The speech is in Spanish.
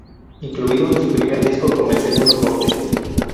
Incluido en su primer disco como el segundo corte.